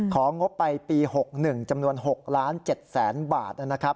ของงบไปปี๖๑จำนวน๖๗๐๐๐๐๐บาทนะครับ